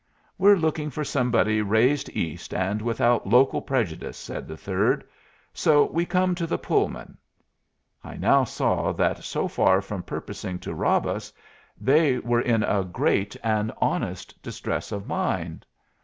"We're looking for somebody raised East and without local prejudice," said the third. "So we come to the Pullman." I now saw that so far from purposing to rob us they were in a great and honest distress of mind.